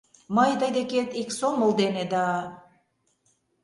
Мый тый декет ик сомыл дене да...